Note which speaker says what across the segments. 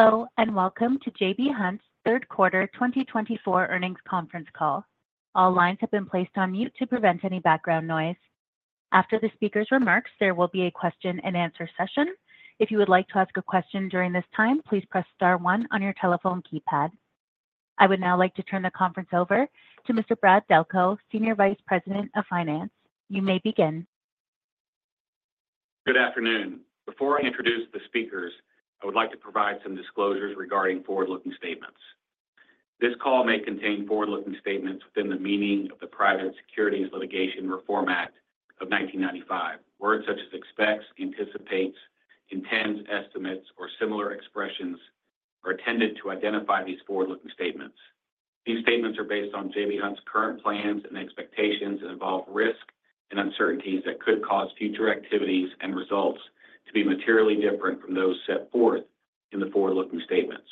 Speaker 1: Hello, and welcome to J.B. Hunt's third quarter 2024 earnings conference call. All lines have been placed on mute to prevent any background noise. After the speaker's remarks, there will be a question-and-answer session. If you would like to ask a question during this time, please press star one on your telephone keypad. I would now like to turn the conference over to Mr. Brad Delco, Senior Vice President of Finance. You may begin.
Speaker 2: Good afternoon. Before I introduce the speakers, I would like to provide some disclosures regarding forward-looking statements. This call may contain forward-looking statements within the meaning of the Private Securities Litigation Reform Act of 1995. Words such as expects, anticipates, intends, estimates, or similar expressions are intended to identify these forward-looking statements. These statements are based on J.B. Hunt's current plans and expectations, and involve risk and uncertainties that could cause future activities and results to be materially different from those set forth in the forward-looking statements.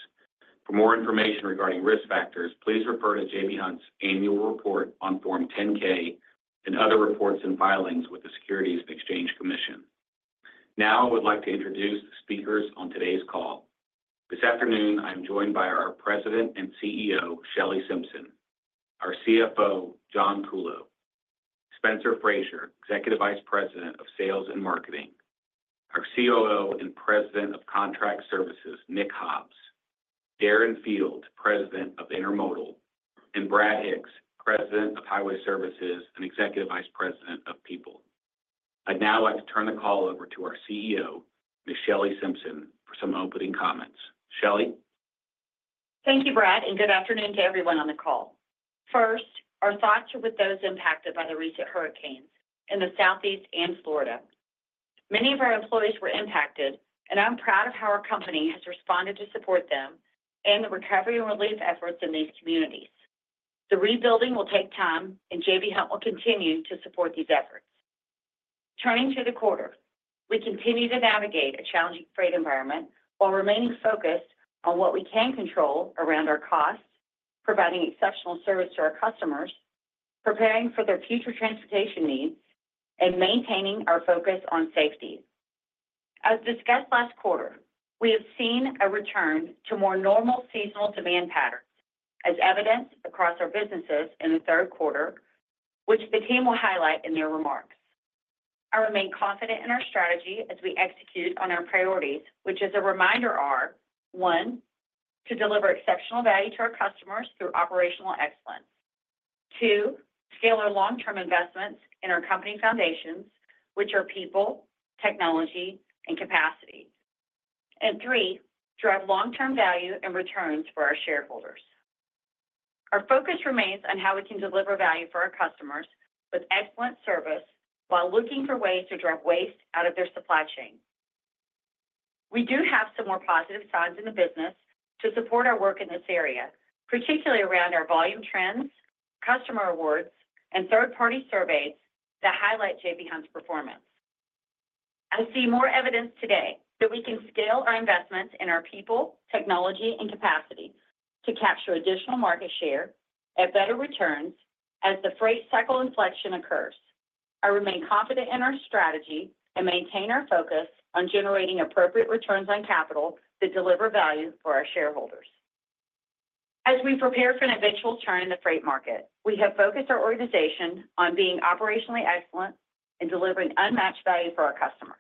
Speaker 2: For more information regarding risk factors, please refer to J.B. Hunt's annual report on Form 10-K, and other reports and filings with the Securities and Exchange Commission. Now, I would like to introduce the speakers on today's call. This afternoon, I am joined by our President and CEO, Shelley Simpson, our CFO, John Kuhlow, Spencer Frazier, Executive Vice President of Sales and Marketing, our COO and President of Contract Services, Nick Hobbs, Darren Field, President of Intermodal, and Brad Hicks, President of Highway Services and Executive Vice President of People. I'd now like to turn the call over to our CEO, Ms. Shelley Simpson, for some opening comments. Shelley?
Speaker 3: Thank you, Brad, and good afternoon to everyone on the call. First, our thoughts are with those impacted by the recent hurricanes in the Southeast and Florida. Many of our employees were impacted, and I'm proud of how our company has responded to support them and the recovery and relief efforts in these communities. The rebuilding will take time, and J.B. Hunt will continue to support these efforts. Turning to the quarter, we continue to navigate a challenging freight environment while remaining focused on what we can control around our costs, providing exceptional service to our customers, preparing for their future transportation needs, and maintaining our focus on safety. As discussed last quarter, we have seen a return to more normal seasonal demand patterns, as evidenced across our businesses in the third quarter, which the team will highlight in their remarks. I remain confident in our strategy as we execute on our priorities, which as a reminder, are: one, to deliver exceptional value to our customers through operational excellence. Two, scale our long-term investments in our company foundations, which are people, technology, and capacity. And three, drive long-term value and returns for our shareholders. Our focus remains on how we can deliver value for our customers with excellent service while looking for ways to drive waste out of their supply chain. We do have some more positive signs in the business to support our work in this area, particularly around our volume trends, customer awards, and third-party surveys that highlight J.B. Hunt's performance. I see more evidence today that we can scale our investments in our people, technology, and capacity to capture additional market share at better returns as the freight cycle inflection occurs. I remain confident in our strategy and maintain our focus on generating appropriate returns on capital that deliver value for our shareholders. As we prepare for an eventual turn in the freight market, we have focused our organization on being operationally excellent and delivering unmatched value for our customers.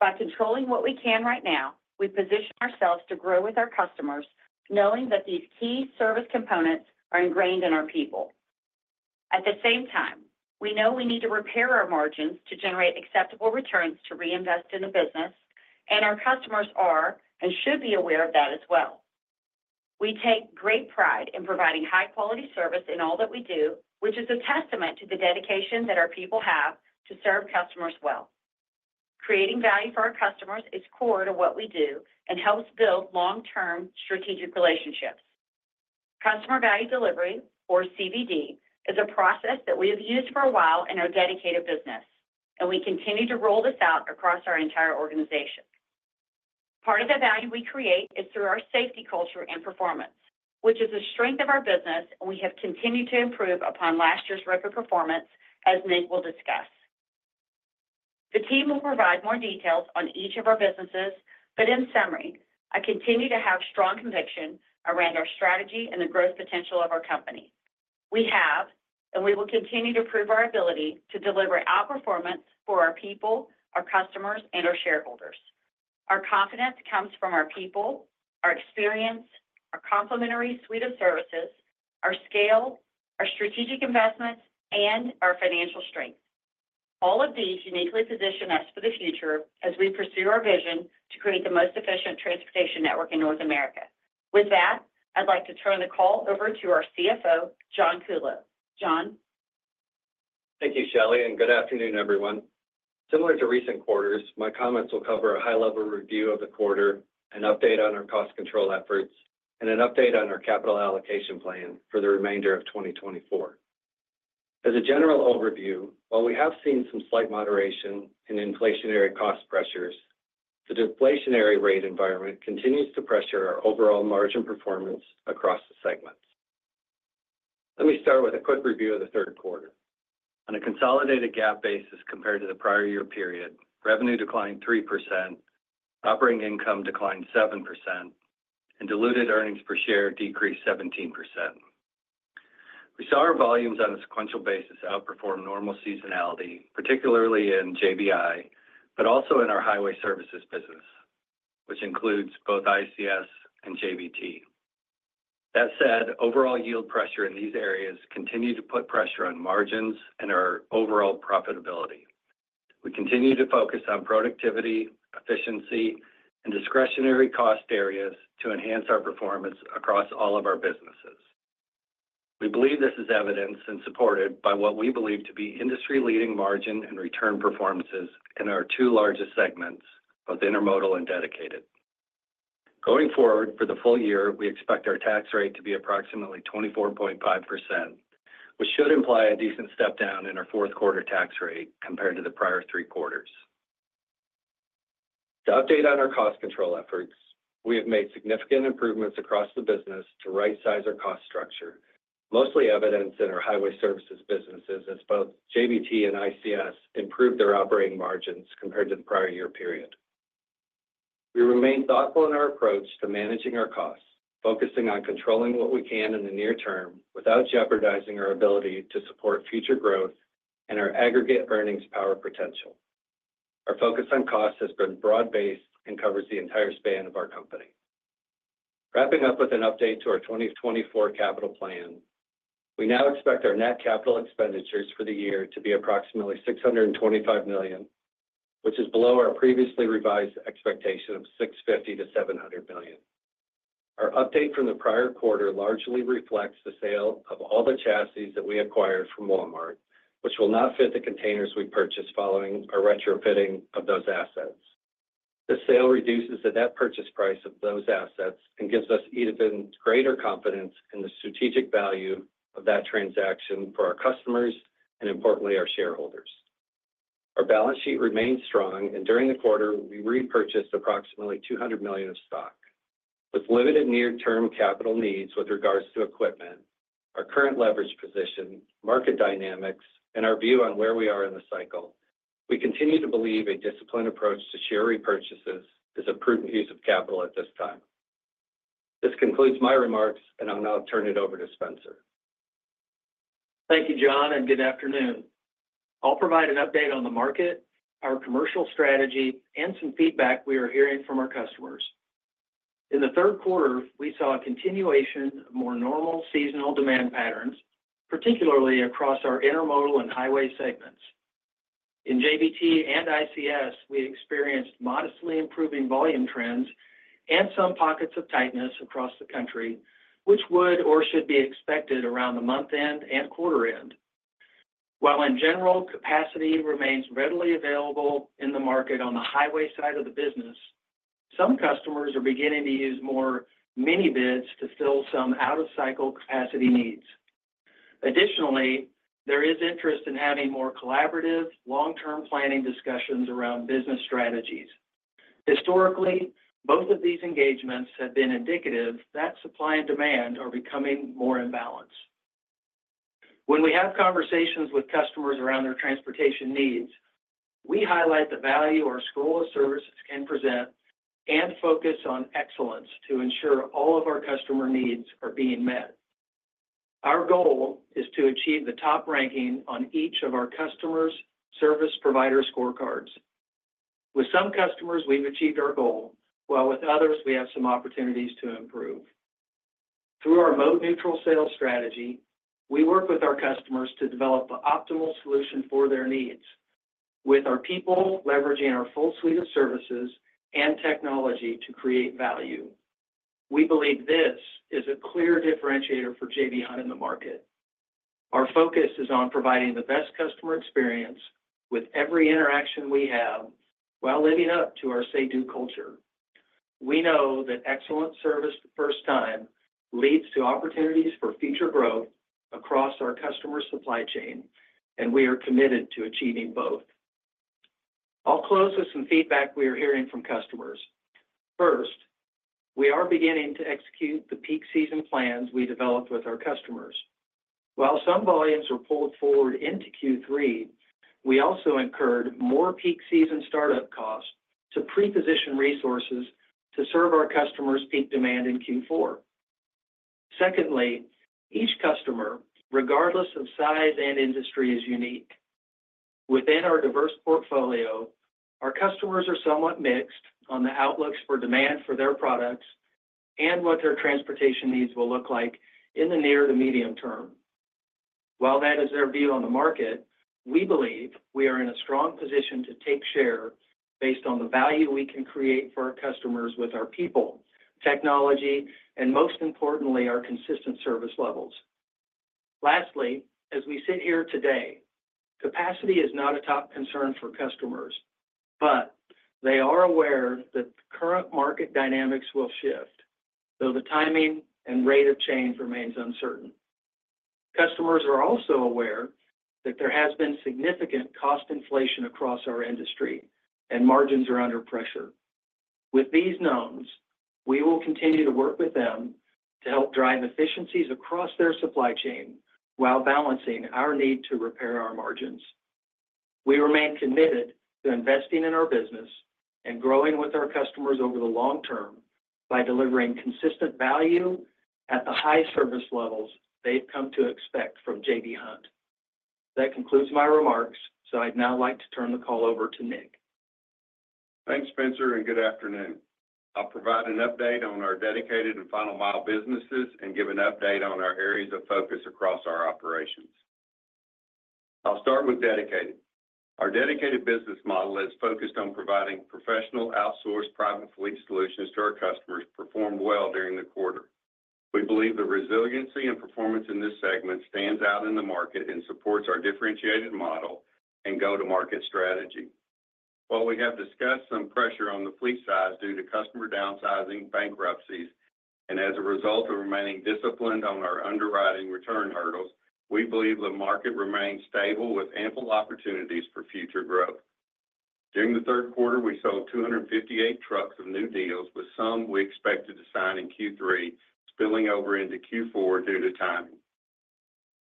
Speaker 3: By controlling what we can right now, we position ourselves to grow with our customers, knowing that these key service components are ingrained in our people. At the same time, we know we need to repair our margins to generate acceptable returns to reinvest in the business, and our customers are and should be aware of that as well. We take great pride in providing high-quality service in all that we do, which is a testament to the dedication that our people have to serve customers well. Creating value for our customers is core to what we do and helps build long-term strategic relationships. Customer Value Delivery, or CVD, is a process that we have used for a while in our Dedicated business, and we continue to roll this out across our entire organization. Part of the value we create is through our safety culture and performance, which is a strength of our business, and we have continued to improve upon last year's record performance, as Nick will discuss. The team will provide more details on each of our businesses, but in summary, I continue to have strong conviction around our strategy and the growth potential of our company. We have, and we will continue to prove our ability to deliver outperformance for our people, our customers, and our shareholders. Our confidence comes from our people, our experience, our complementary suite of services, our scale, our strategic investments, and our financial strength. All of these uniquely position us for the future as we pursue our vision to create the most efficient transportation network in North America. With that, I'd like to turn the call over to our CFO, John Kuhlow. John?
Speaker 4: Thank you, Shelley, and good afternoon, everyone. Similar to recent quarters, my comments will cover a high-level review of the quarter, an update on our cost control efforts, and an update on our capital allocation plan for the remainder of twenty twenty-four. As a general overview, while we have seen some slight moderation in inflationary cost pressures, the deflationary rate environment continues to pressure our overall margin performance across the segments.... Let me start with a quick review of the third quarter. On a consolidated GAAP basis compared to the prior year period, revenue declined 3%, operating income declined 7%, and diluted earnings per share decreased 17%. We saw our volumes on a sequential basis outperform normal seasonality, particularly in JBI, but also in our highway services business, which includes both ICS and JBT. That said, overall yield pressure in these areas continued to put pressure on margins and our overall profitability. We continue to focus on productivity, efficiency, and discretionary cost areas to enhance our performance across all of our businesses. We believe this is evidenced and supported by what we believe to be industry-leading margin and return performances in our two largest segments, both Intermodal and Dedicated. Going forward, for the full year, we expect our tax rate to be approximately 24.5%, which should imply a decent step down in our fourth quarter tax rate compared to the prior three quarters. To update on our cost control efforts, we have made significant improvements across the business to right-size our cost structure, mostly evidenced in our highway services businesses, as both JBT and ICS improved their operating margins compared to the prior year period. We remain thoughtful in our approach to managing our costs, focusing on controlling what we can in the near term without jeopardizing our ability to support future growth and our aggregate earnings power potential. Our focus on cost has been broad-based and covers the entire span of our company. Wrapping up with an update to our 2024 capital plan, we now expect our net capital expenditures for the year to be approximately $625 million, which is below our previously revised expectation of $650 million-$700 million. Our update from the prior quarter largely reflects the sale of all the chassis that we acquired from Walmart, which will not fit the containers we purchased following a retrofitting of those assets. The sale reduces the net purchase price of those assets and gives us even greater confidence in the strategic value of that transaction for our customers and, importantly, our shareholders. Our balance sheet remains strong, and during the quarter, we repurchased approximately $200 million of stock. With limited near-term capital needs with regards to equipment, our current leverage position, market dynamics, and our view on where we are in the cycle, we continue to believe a disciplined approach to share repurchases is a prudent use of capital at this time. This concludes my remarks, and I'll now turn it over to Spencer.
Speaker 5: Thank you, John, and good afternoon. I'll provide an update on the market, our commercial strategy, and some feedback we are hearing from our customers. In the third quarter, we saw a continuation of more normal seasonal demand patterns, particularly across our intermodal and highway segments. In JBT and ICS, we experienced modestly improving volume trends and some pockets of tightness across the country, which would or should be expected around the month-end and quarter-end. While in general, capacity remains readily available in the market on the highway side of the business, some customers are beginning to use more mini bids to fill some out-of-cycle capacity needs. Additionally, there is interest in having more collaborative, long-term planning discussions around business strategies. Historically, both of these engagements have been indicative that supply and demand are becoming more in balance. When we have conversations with customers around their transportation needs, we highlight the value our suite of services can present and focus on excellence to ensure all of our customer needs are being met. Our goal is to achieve the top ranking on each of our customers' service provider scorecards. With some customers, we've achieved our goal, while with others, we have some opportunities to improve. Through our mode-neutral sales strategy, we work with our customers to develop the optimal solution for their needs, with our people leveraging our full suite of services and technology to create value. We believe this is a clear differentiator for J.B. Hunt in the market. Our focus is on providing the best customer experience with every interaction we have while living up to our Say Do culture. We know that excellent service the first time leads to opportunities for future growth across our customer supply chain, and we are committed to achieving both. I'll close with some feedback we are hearing from customers. First, we are beginning to execute the peak season plans we developed with our customers. While some volumes were pulled forward into Q3, we also incurred more peak season startup costs to pre-position resources to serve our customers' peak demand in Q4. Secondly, each customer, regardless of size and industry, is unique. Within our diverse portfolio, our customers are somewhat mixed on the outlooks for demand for their products and what their transportation needs will look like in the near to medium term. While that is their view on the market, we believe we are in a strong position to take share based on the value we can create for our customers with our people, technology, and most importantly, our consistent service levels. Lastly, as we sit here today, capacity is not a top concern for customers, but they are aware that the current market dynamics will shift, though the timing and rate of change remains uncertain. Customers are also aware that there has been significant cost inflation across our industry and margins are under pressure.... With these knowns, we will continue to work with them to help drive efficiencies across their supply chain while balancing our need to repair our margins. We remain committed to investing in our business and growing with our customers over the long term by delivering consistent value at the high service levels they've come to expect from J.B. Hunt. That concludes my remarks, so I'd now like to turn the call over to Nick.
Speaker 6: Thanks, Spencer, and good afternoon. I'll provide an update on our Dedicated and Final Mile businesses and give an update on our areas of focus across our operations. I'll start with Dedicated. Our Dedicated business model is focused on providing professional, outsourced, private fleet solutions to our customers, performed well during the quarter. We believe the resiliency and performance in this segment stands out in the market and supports our differentiated model and go-to-market strategy. While we have discussed some pressure on the fleet size due to customer downsizing, bankruptcies, and as a result of remaining disciplined on our underwriting return hurdles, we believe the market remains stable with ample opportunities for future growth. During the third quarter, we sold 258 trucks of new deals, with some we expected to sign in Q3 spilling over into Q4 due to timing.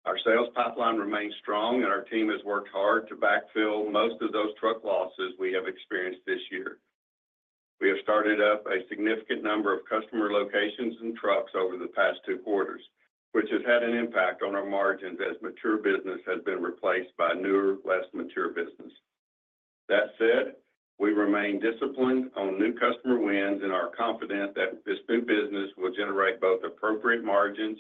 Speaker 6: Our sales pipeline remains strong, and our team has worked hard to backfill most of those truck losses we have experienced this year. We have started up a significant number of customer locations and trucks over the past two quarters, which has had an impact on our margins as mature business has been replaced by newer, less mature business. That said, we remain disciplined on new customer wins and are confident that this new business will generate both appropriate margins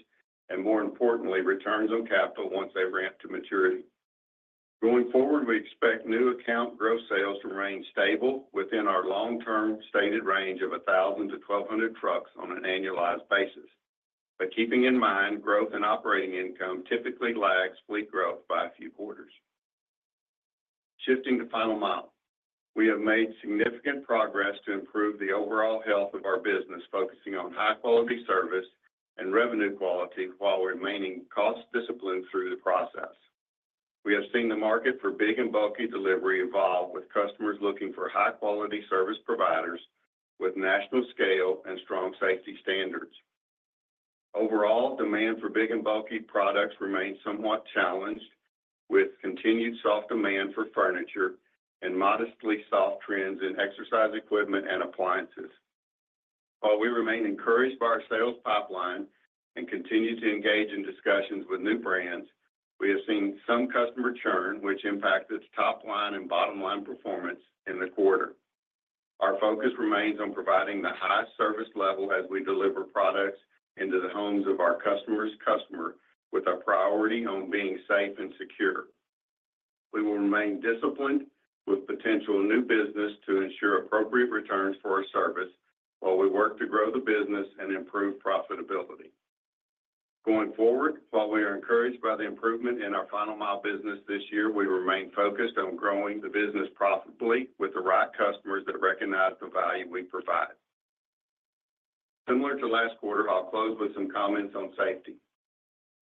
Speaker 6: and, more importantly, returns on capital once they ramp to maturity. Going forward, we expect new account growth sales to remain stable within our long-term stated range of one thousand to twelve hundred trucks on an annualized basis, but keeping in mind, growth and operating income typically lags fleet growth by a few quarters. Shifting to Final Mile, we have made significant progress to improve the overall health of our business, focusing on high-quality service and revenue quality while remaining cost disciplined through the process. We have seen the market for big and bulky delivery evolve, with customers looking for high-quality service providers with national scale and strong safety standards. Overall, demand for big and bulky products remains somewhat challenged, with continued soft demand for furniture and modestly soft trends in exercise equipment and appliances. While we remain encouraged by our sales pipeline and continue to engage in discussions with new brands, We have seen some customer churn, which impacted top line and bottom line performance in the quarter. Our focus remains on providing the highest service level as we deliver products into the homes of our customer's customer, with a priority on being safe and secure. We will remain disciplined with potential new business to ensure appropriate returns for our service while we work to grow the business and improve profitability. Going forward, while we are encouraged by the improvement in our Final Mile business this year, we remain focused on growing the business profitably with the right customers that recognize the value we provide. Similar to last quarter, I'll close with some comments on safety.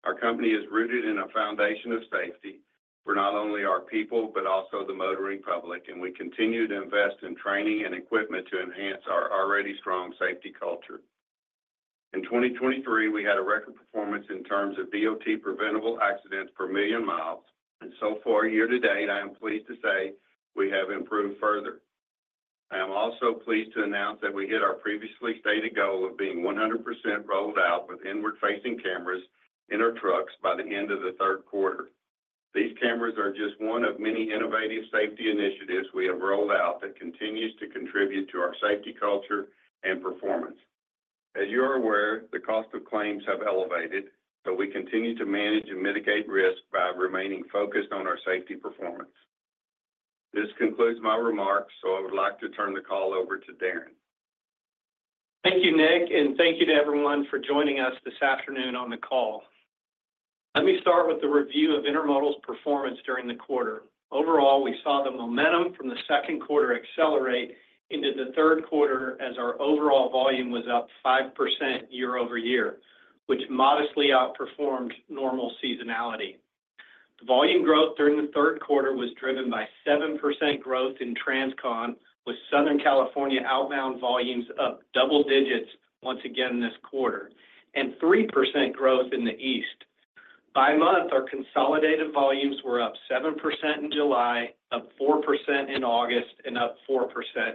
Speaker 6: Our company is rooted in a foundation of safety for not only our people, but also the motoring public, and we continue to invest in training and equipment to enhance our already strong safety culture. In 2023, we had a record performance in terms of DOT preventable accidents per million miles, and so far, year to date, I am pleased to say we have improved further. I am also pleased to announce that we hit our previously stated goal of being 100% rolled out with inward-facing cameras in our trucks by the end of the third quarter. These cameras are just one of many innovative safety initiatives we have rolled out that continues to contribute to our safety culture and performance. As you are aware, the cost of claims have elevated, but we continue to manage and mitigate risk by remaining focused on our safety performance. This concludes my remarks, so I would like to turn the call over to Darren.
Speaker 7: Thank you, Nick, and thank you to everyone for joining us this afternoon on the call. Let me start with the review of Intermodal's performance during the quarter. Overall, we saw the momentum from the second quarter accelerate into the third quarter, as our overall volume was up 5% year over year, which modestly outperformed normal seasonality. The volume growth during the third quarter was driven by 7% growth in Transcon, with Southern California outbound volumes up double digits once again this quarter, and 3% growth in the East. By month, our consolidated volumes were up 7% in July, up 4% in August, and up 4%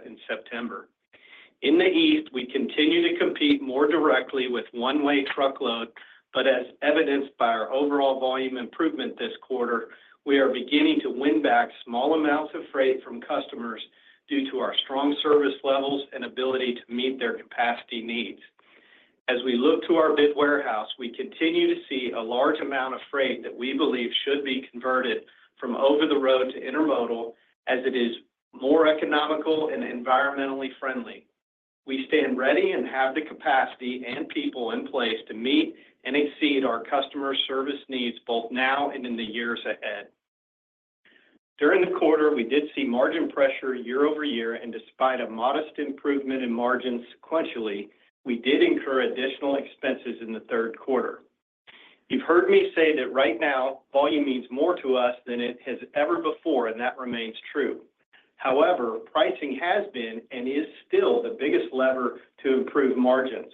Speaker 7: in September. In the East, we continue to compete more directly with one-way truckload, but as evidenced by our overall volume improvement this quarter, we are beginning to win back small amounts of freight from customers due to our strong service levels and ability to meet their capacity needs. As we look to our big warehouse, we continue to see a large amount of freight that we believe should be converted from over the road to intermodal, as it is more economical and environmentally friendly. We stand ready and have the capacity and people in place to meet and exceed our customer service needs both now and in the years ahead. During the quarter, we did see margin pressure year over year, and despite a modest improvement in margins sequentially, we did incur additional expenses in the third quarter. You've heard me say that right now, volume means more to us than it has ever before, and that remains true. However, pricing has been, and is still, the biggest lever to improve margins.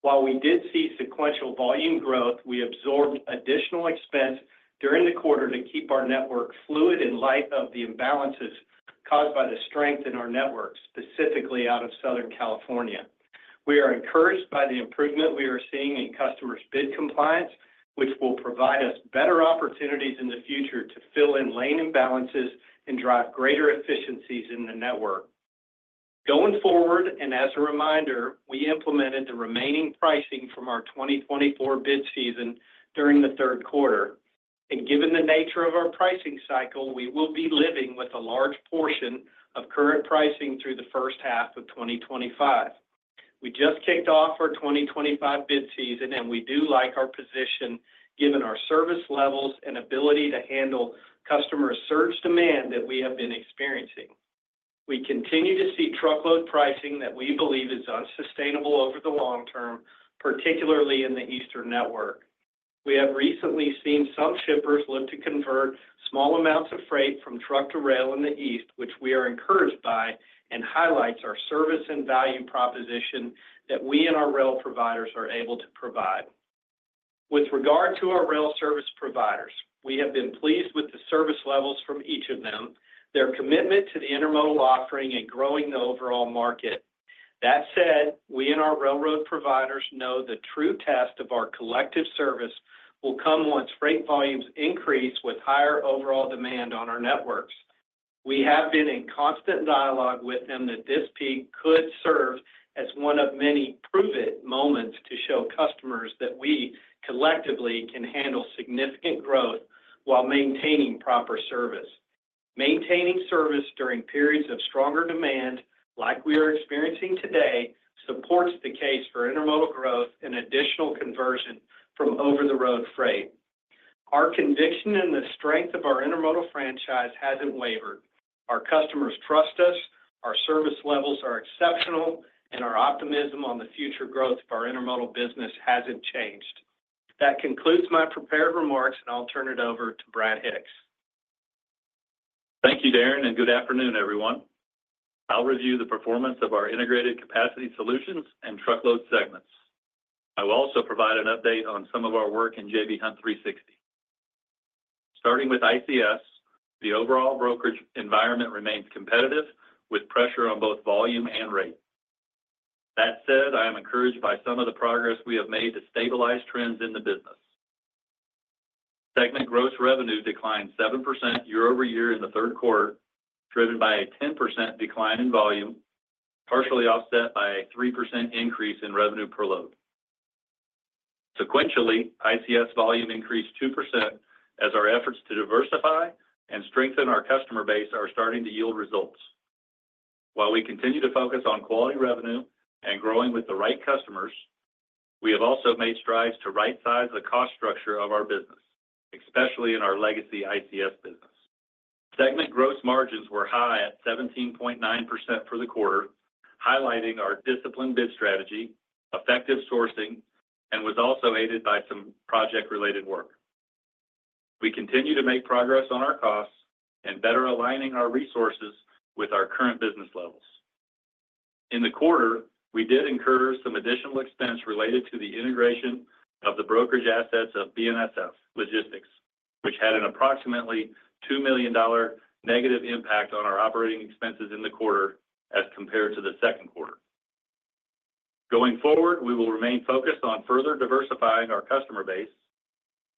Speaker 7: While we did see sequential volume growth, we absorbed additional expense during the quarter to keep our network fluid in light of the imbalances caused by the strength in our network, specifically out of Southern California. We are encouraged by the improvement we are seeing in customers' bid compliance, which will provide us better opportunities in the future to fill in lane imbalances and drive greater efficiencies in the network. Going forward, and as a reminder, we implemented the remaining pricing from our 2024 bid season during the third quarter. And given the nature of our pricing cycle, we will be living with a large portion of current pricing through the first half of 2025. We just kicked off our 2025 bid season, and we do like our position, given our service levels and ability to handle customer surge demand that we have been experiencing. We continue to see truckload pricing that we believe is unsustainable over the long term, particularly in the Eastern network. We have recently seen some shippers look to convert small amounts of freight from truck to rail in the East, which we are encouraged by, and highlights our service and value proposition that we and our rail providers are able to provide. With regard to our rail service providers, we have been pleased with the service levels from each of them, their commitment to the intermodal offering and growing the overall market. That said, we and our railroad providers know the true test of our collective service will come once freight volumes increase with higher overall demand on our networks. We have been in constant dialogue with them that this peak could serve as one of many prove it moments to show customers that we collectively can handle significant growth while maintaining proper service. Maintaining service during periods of stronger demand, like we are experiencing today, supports the case for intermodal growth and additional conversion from over-the-road freight. Our conviction in the strength of our intermodal franchise hasn't wavered. Our customers trust us, our service levels are exceptional, and our optimism on the future growth of our intermodal business hasn't changed. That concludes my prepared remarks, and I'll turn it over to Brad Hicks.
Speaker 8: Thank you, Darren, and good afternoon, everyone. I'll review the performance of our Integrated Capacity Solutions and Truckload segments. I will also provide an update on some of our work in J.B. Hunt 360. Starting with ICS, the overall brokerage environment remains competitive, with pressure on both volume and rate. That said, I am encouraged by some of the progress we have made to stabilize trends in the business. Segment gross revenue declined 7% year over year in the third quarter, driven by a 10% decline in volume, partially offset by a 3% increase in revenue per load. Sequentially, ICS volume increased 2%, as our efforts to diversify and strengthen our customer base are starting to yield results. While we continue to focus on quality revenue and growing with the right customers, we have also made strides to rightsize the cost structure of our business, especially in our legacy ICS business. Segment gross margins were high at 17.9% for the quarter, highlighting our disciplined bid strategy, effective sourcing, and was also aided by some project-related work. We continue to make progress on our costs and better aligning our resources with our current business levels. In the quarter, we did incur some additional expense related to the integration of the brokerage assets of BNSF Logistics, which had an approximately $2 million negative impact on our operating expenses in the quarter as compared to the second quarter. Going forward, we will remain focused on further diversifying our customer base,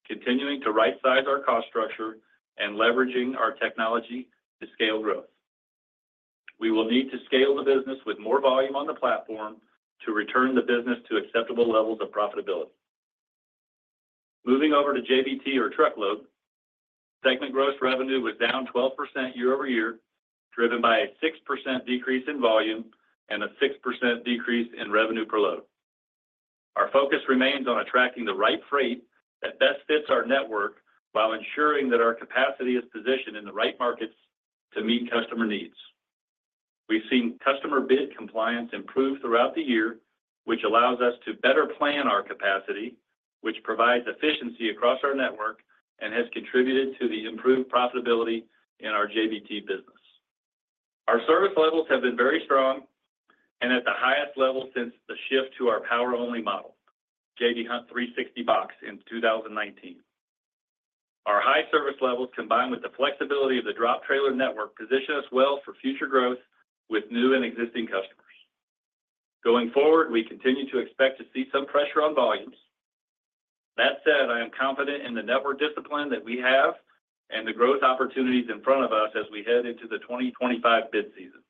Speaker 8: continuing to rightsize our cost structure, and leveraging our technology to scale growth. We will need to scale the business with more volume on the platform to return the business to acceptable levels of profitability. Moving over to JBT or truckload, segment gross revenue was down 12% year over year, driven by a 6% decrease in volume and a 6% decrease in revenue per load. Our focus remains on attracting the right freight that best fits our network, while ensuring that our capacity is positioned in the right markets to meet customer needs. We've seen customer bid compliance improve throughout the year, which allows us to better plan our capacity, which provides efficiency across our network and has contributed to the improved profitability in our JBT business. Our service levels have been very strong and at the highest level since the shift to our power-only model, J.B. Hunt 360box in 2019. Our high service levels, combined with the flexibility of the drop trailer network, position us well for future growth with new and existing customers. Going forward, we continue to expect to see some pressure on volumes. That said, I am confident in the network discipline that we have and the growth opportunities in front of us as we head into the 2025 bid season.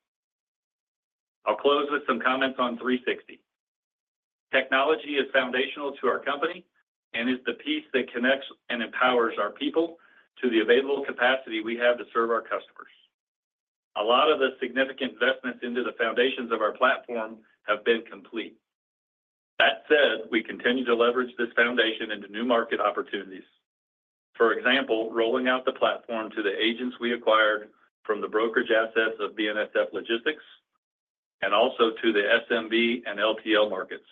Speaker 8: I'll close with some comments on 360. Technology is foundational to our company and is the piece that connects and empowers our people to the available capacity we have to serve our customers. A lot of the significant investments into the foundations of our platform have been complete. That said, we continue to leverage this foundation into new market opportunities.... for example, rolling out the platform to the agents we acquired from the brokerage assets of BNSF Logistics, and also to the SMB and LTL markets,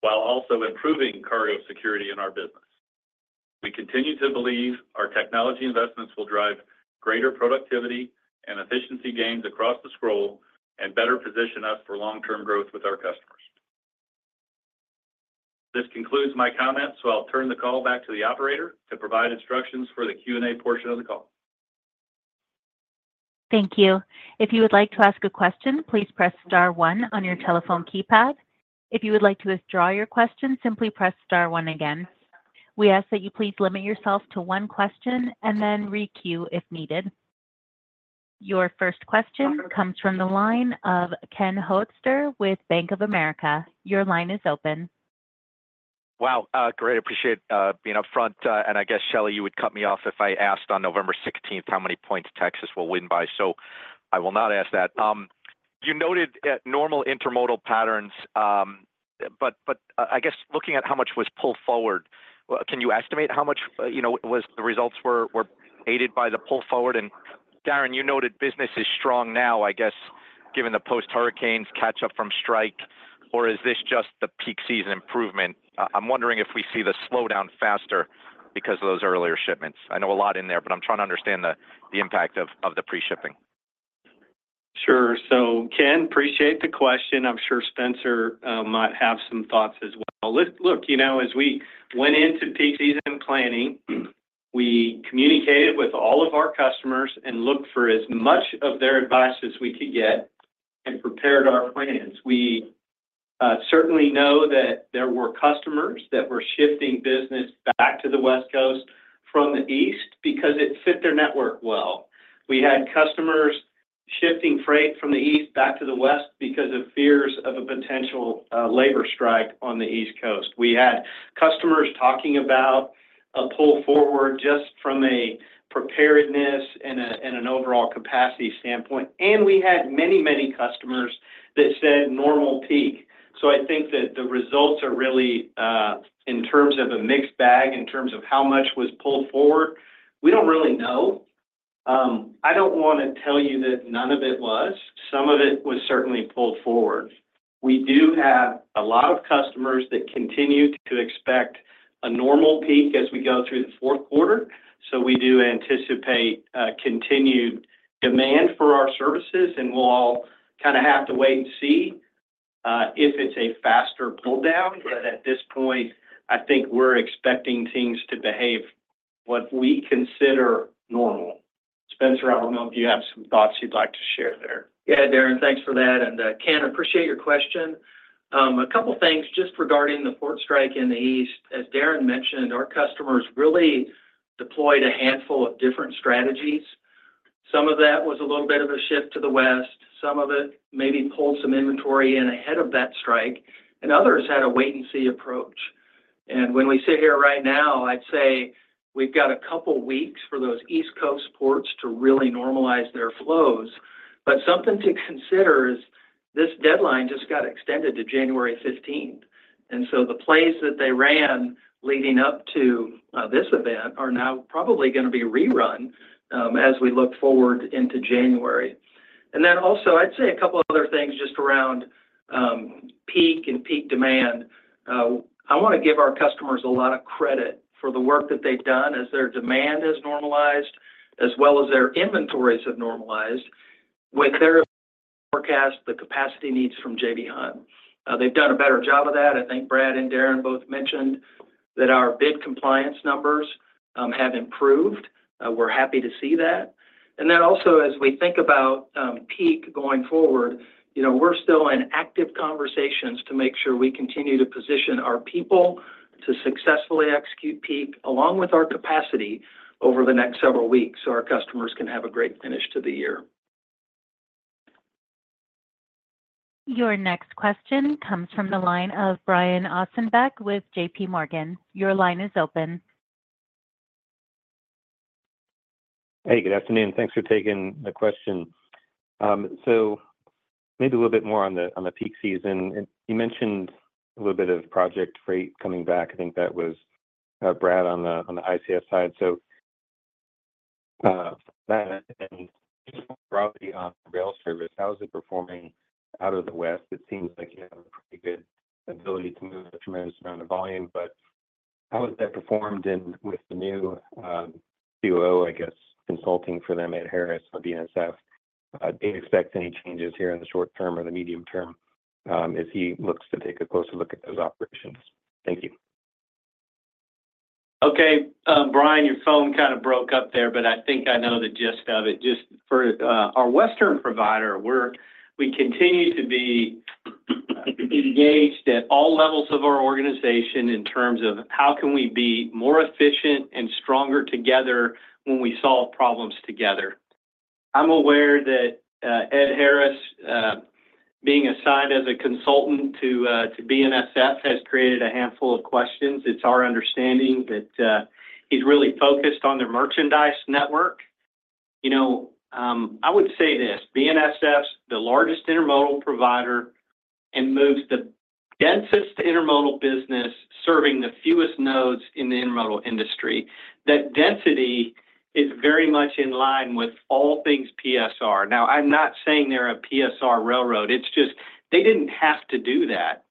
Speaker 8: while also improving cargo security in our business. We continue to believe our technology investments will drive greater productivity and efficiency gains across the globe, and better position us for long-term growth with our customers. This concludes my comments, so I'll turn the call back to the operator to provide instructions for the Q&A portion of the call.
Speaker 1: Thank you. If you would like to ask a question, please press star one on your telephone keypad. If you would like to withdraw your question, simply press star one again. We ask that you please limit yourself to one question and then re-queue if needed. Your first question comes from the line of Ken Hoexter with Bank of America. Your line is open.
Speaker 9: Wow, great. Appreciate being up front, and I guess, Shelley, you would cut me off if I asked on November 16th how many points Texas will win by, so I will not ask that. You noted at normal intermodal patterns, but I guess looking at how much was pulled forward, well, can you estimate how much, you know, the results were aided by the pull forward? And Darren, you noted business is strong now, I guess, given the post hurricanes catch up from strike, or is this just the peak season improvement? I'm wondering if we see the slowdown faster because of those earlier shipments. I know a lot in there, but I'm trying to understand the impact of the pre-shipping.
Speaker 7: Sure. So, Ken, appreciate the question. I'm sure Spencer might have some thoughts as well. Look, you know, as we went into peak season planning, we communicated with all of our customers and looked for as much of their advice as we could get and prepared our plans. We certainly know that there were customers that were shifting business back to the West Coast from the East because it fit their network well. We had customers shifting freight from the east back to the west because of fears of a potential labor strike on the East Coast. We had customers talking about a pull forward just from a preparedness and a, and an overall capacity standpoint. And we had many, many customers that said, "Normal peak." So I think that the results are really in terms of a mixed bag. In terms of how much was pulled forward, we don't really know. I don't want to tell you that none of it was. Some of it was certainly pulled forward. We do have a lot of customers that continue to expect a normal peak as we go through the fourth quarter, so we do anticipate continued demand for our services, and we'll all kind of have to wait and see if it's a faster pull down. But at this point, I think we're expecting things to behave what we consider normal. Spencer, I don't know if you have some thoughts you'd like to share there.
Speaker 5: Yeah, Darren, thanks for that. And, Ken, appreciate your question. A couple things just regarding the port strike in the East. As Darren mentioned, our customers really deployed a handful of different strategies. Some of that was a little bit of a shift to the West, some of it maybe pulled some inventory in ahead of that strike, and others had a wait and see approach. And when we sit here right now, I'd say we've got a couple weeks for those East Coast ports to really normalize their flows. But something to consider is this deadline just got extended to January 15th and so the plays that they ran leading up to this event are now probably going to be rerun as we look forward into January. And then also, I'd say a couple other things just around peak and peak demand. I want to give our customers a lot of credit for the work that they've done as their demand has normalized, as well as their inventories have normalized. With their forecast, the capacity needs from J.B. Hunt. They've done a better job of that. I think Brad and Darren both mentioned that our bid compliance numbers have improved. We're happy to see that. And then also, as we think about peak going forward, you know, we're still in active conversations to make sure we continue to position our people to successfully execute peak, along with our capacity over the next several weeks, so our customers can have a great finish to the year.
Speaker 1: Your next question comes from the line of Brian Ossenbeck with J.P. Morgan. Your line is open.
Speaker 10: Hey, good afternoon. Thanks for taking the question. So maybe a little bit more on the, on the peak season. You mentioned a little bit of project freight coming back. I think that was, Brad, on the, on the ICS side. So, that and broadly on the rail service, how is it performing out of the West? It seems like you have a pretty good ability to move a tremendous amount of volume, but how has that performed in with the new, COO, I guess, consulting for them, Ed Harris, of BNSF? Do you expect any changes here in the short term or the medium term, as he looks to take a closer look at those operations? Thank you.
Speaker 5: Okay, Brian, your phone kind of broke up there, but I think I know the gist of it. Just for our Western provider, we continue to be engaged at all levels of our organization in terms of how can we be more efficient and stronger together when we solve problems together. I'm aware that Ed Harris being assigned as a consultant to BNSF has created a handful of questions. It's our understanding that he's really focused on their merchandise network.... You know, I would say this, BNSF's the largest intermodal provider and moves the densest intermodal business, serving the fewest nodes in the intermodal industry. That density is very much in line with all things PSR. Now, I'm not saying they're a PSR railroad. It's just they didn't have to do that.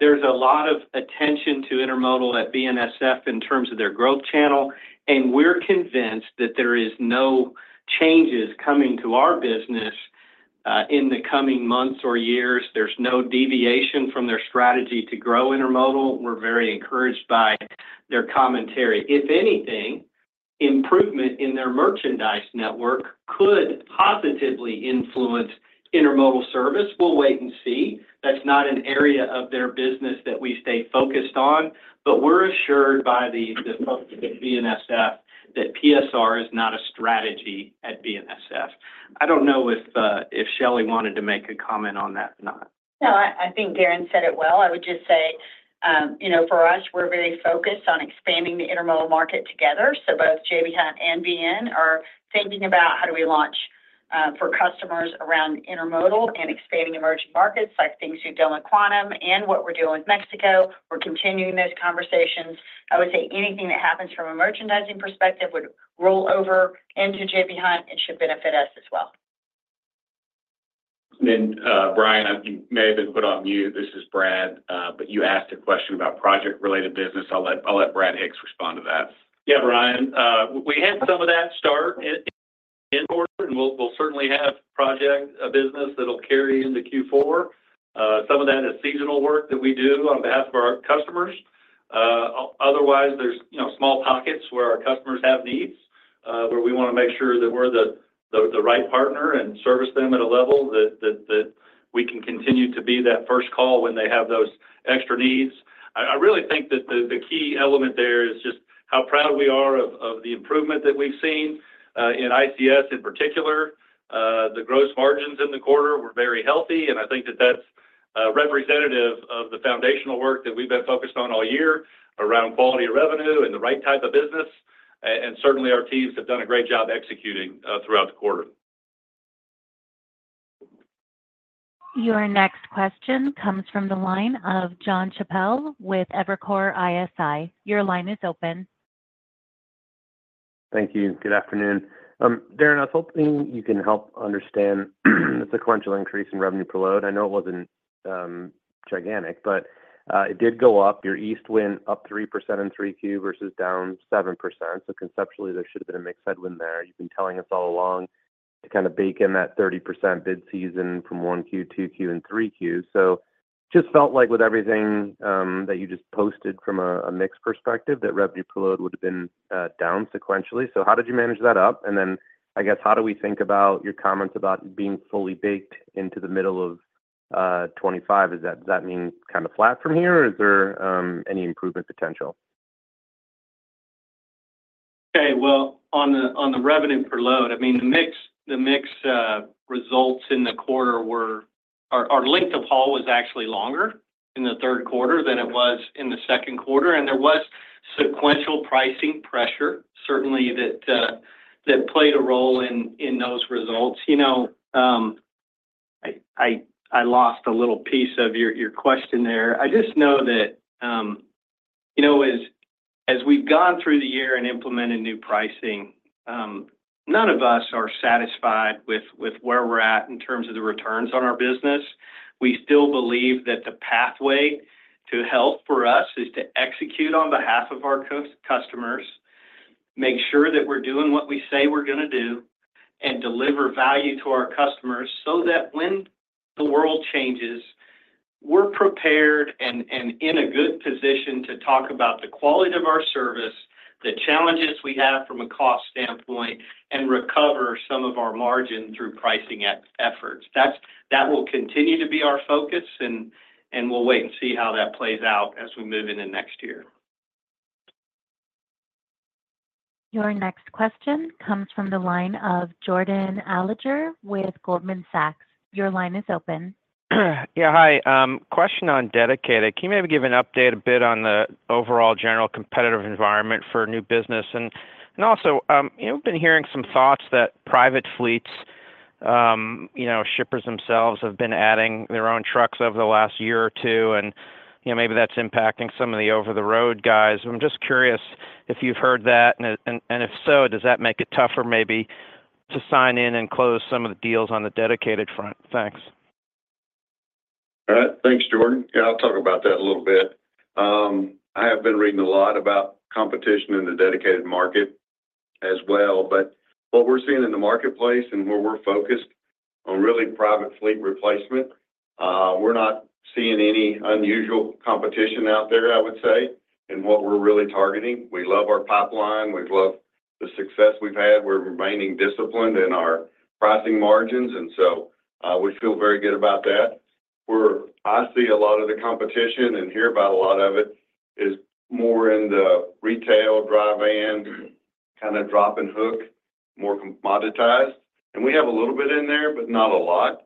Speaker 5: There's a lot of attention to intermodal at BNSF in terms of their growth channel, and we're convinced that there is no changes coming to our business in the coming months or years. There's no deviation from their strategy to grow intermodal. We're very encouraged by their commentary. If anything, improvement in their merchandise network could positively influence intermodal service. We'll wait and see. That's not an area of their business that we stay focused on, but we're assured by the folks at BNSF that PSR is not a strategy at BNSF.I don't know if Shelley wanted to make a comment on that or not.
Speaker 3: No, I think Darren said it well. I would just say, you know, for us, we're very focused on expanding the intermodal market together. So both J.B. Hunt and BN are thinking about how do we launch for customers around intermodal and expanding emerging markets, like things we've done with Quantum and what we're doing with Mexico. We're continuing those conversations. I would say anything that happens from a merchandising perspective would roll over into J.B. Hunt and should benefit us as well.
Speaker 2: Brian, you may have been put on mute. This is Brad, but you asked a question about project-related business. I'll let Brad Hicks respond to that.
Speaker 8: Yeah, Brian, we had some of that start in quarter, and we'll certainly have project business that'll carry into Q4. Some of that is seasonal work that we do on behalf of our customers. Otherwise, there's, you know, small pockets where our customers have needs, where we want to make sure that we're the right partner and service them at a level that we can continue to be that first call when they have those extra needs. I really think that the key element there is just how proud we are of the improvement that we've seen in ICS in particular. The gross margins in the quarter were very healthy, and I think that that's representative of the foundational work that we've been focused on all year around quality of revenue and the right type of business. And certainly, our teams have done a great job executing throughout the quarter.
Speaker 1: Your next question comes from the line of John Chappell with Evercore ISI. Your line is open.
Speaker 11: Thank you. Good afternoon. Darren, I was hoping you can help understand the sequential increase in revenue per load. I know it wasn't gigantic, but it did go up. Your East win up 3% in 3Q versus down 7%, so conceptually, there should have been a mix headwind there. You've been telling us all along to kind of bake in that 30% bid season from 1Q, 2Q, and 3Q. So just felt like with everything that you just posted from a mix perspective, that revenue per load would have been down sequentially. So how did you manage that up? And then, I guess, how do we think about your comments about being fully baked into the middle of 2025? Is that does that mean kind of flat from here, or is there any improvement potential?
Speaker 7: Okay. Well, on the revenue per load, I mean, the mix results in the quarter were... Our length of haul was actually longer in the third quarter than it was in the second quarter, and there was sequential pricing pressure, certainly that played a role in those results. You know, I lost a little piece of your question there. I just know that, you know, as we've gone through the year and implemented new pricing, none of us are satisfied with where we're at in terms of the returns on our business. We still believe that the pathway to health for us is to execute on behalf of our customers, make sure that we're doing what we say we're going to do, and deliver value to our customers, so that when the world changes, we're prepared and in a good position to talk about the quality of our service, the challenges we have from a cost standpoint, and recover some of our margin through pricing efforts. That will continue to be our focus, and we'll wait and see how that plays out as we move into next year.
Speaker 1: Your next question comes from the line of Jordan Alliger with Goldman Sachs. Your line is open.
Speaker 12: Yeah. Hi, question on dedicated. Can you maybe give an update a bit on the overall general competitive environment for new business? And also, you know, we've been hearing some thoughts that private fleets, you know, shippers themselves have been adding their own trucks over the last year or two, and, you know, maybe that's impacting some of the over-the-road guys. I'm just curious if you've heard that, and if so, does that make it tougher maybe to sign in and close some of the deals on the dedicated front? Thanks.
Speaker 8: All right. Thanks, Jordan. Yeah, I'll talk about that a little bit. I have been reading a lot about competition in the dedicated market as well, but what we're seeing in the marketplace and where we're focused on really private fleet replacement, we're not seeing any unusual competition out there, I would say, in what we're really targeting. We love our pipeline. We love the success we've had. We're remaining disciplined in our pricing margins, and so, we feel very good about that. Where I see a lot of the competition and hear about a lot of it is more in the retail dry van, kind of drop and hook, more commoditized, and we have a little bit in there, but not a lot....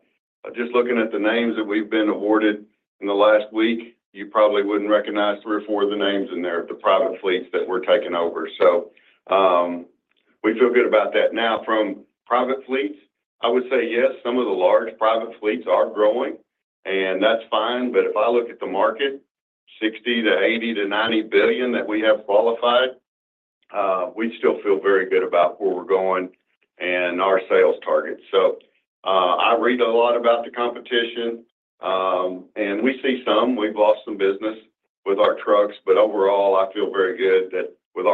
Speaker 8: Just looking at the names that we've been awarded in the last week, you probably wouldn't recognize three or four of the names in there, the private fleets that we're taking over. So, we feel good about that. Now, from private fleets, I would say yes, some of the large private fleets are growing, and that's fine. But if I look at the market, $60 to $80 to $90 billion that we have qualified, we still feel very good about where we're going and our sales targets. So, I read a lot about the competition, and we see some. We've lost some business with our trucks, but overall, I feel very good that with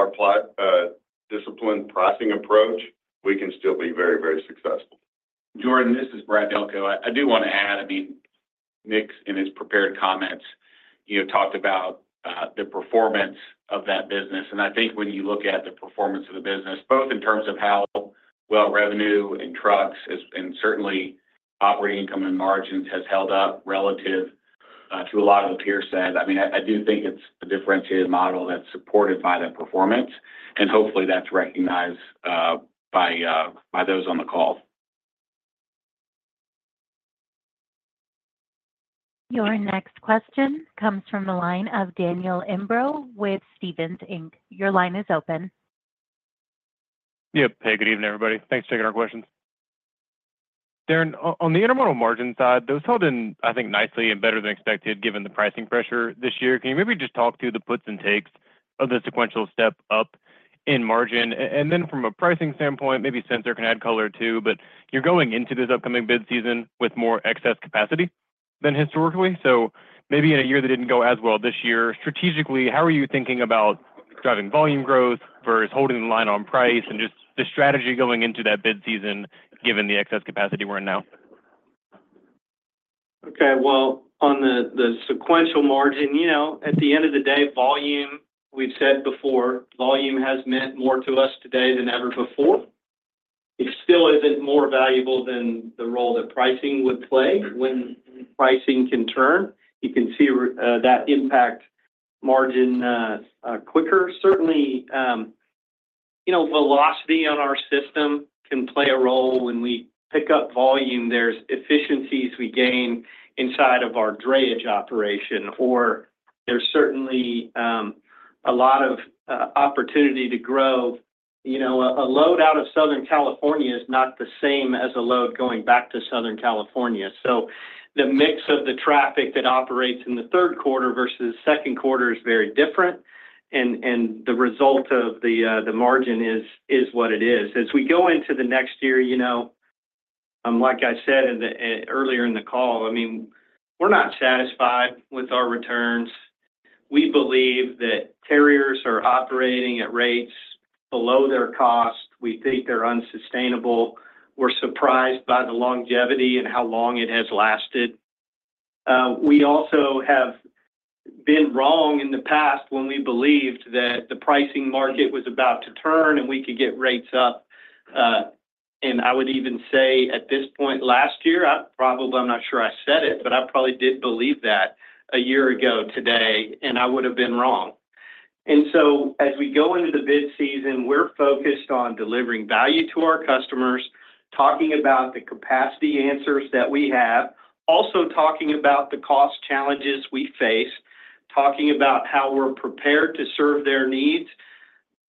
Speaker 8: our disciplined pricing approach, we can still be very, very successful.
Speaker 2: Jordan, this is Brad Delco. I do want to add. I mean, Nick, in his prepared comments, you know, talked about the performance of that business. And I think when you look at the performance of the business, both in terms of how well revenue and trucks has, and certainly operating income and margins has held up relative to a lot of the peers. Said, I mean, I do think it's a differentiated model that's supported by that performance, and hopefully that's recognized by those on the call.
Speaker 1: Your next question comes from the line of Daniel Imbro with Stephens Inc. Your line is open.
Speaker 13: Yeah. Hey, good evening, everybody. Thanks for taking our questions. Darren, on the intermodal margin side, those held in, I think, nicely and better than expected, given the pricing pressure this year. Can you maybe just talk through the puts and takes of the sequential step up in margin? And then from a pricing standpoint, maybe Spencer can add color, too, but you're going into this upcoming bid season with more excess capacity than historically. So maybe in a year that didn't go as well this year, strategically, how are you thinking about driving volume growth versus holding the line on price and just the strategy going into that bid season, given the excess capacity we're in now?
Speaker 7: Okay. Well, on the sequential margin, you know, at the end of the day, volume, we've said before, volume has meant more to us today than ever before. It still isn't more valuable than the role that pricing would play. When pricing can turn, you can see that impact margin quicker. Certainly, you know, velocity on our system can play a role. When we pick up volume, there's efficiencies we gain inside of our drayage operation, or there's certainly a lot of opportunity to grow. You know, a load out of Southern California is not the same as a load going back to Southern California. So the mix of the traffic that operates in the third quarter versus second quarter is very different, and the result of the margin is what it is. As we go into the next year, you know, like I said earlier in the call, I mean, we're not satisfied with our returns. We believe that carriers are operating at rates below their cost. We think they're unsustainable. We're surprised by the longevity and how long it has lasted. We also have been wrong in the past when we believed that the pricing market was about to turn, and we could get rates up. And I would even say at this point last year, I probably, I'm not sure I said it, but I probably did believe that a year ago today, and I would have been wrong. And so as we go into the bid season, we're focused on delivering value to our customers, talking about the capacity answers that we have, also talking about the cost challenges we face, talking about how we're prepared to serve their needs